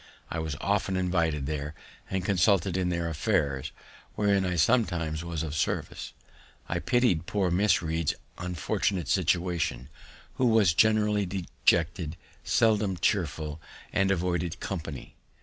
I was often invited there and consulted in their affairs, wherein I sometimes was of service. I piti'd poor Miss Read's unfortunate situation, who was generally dejected, seldom chearful, and avoided company.